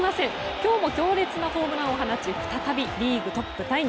今日も強烈なホームランを放ち再びリーグトップタイに。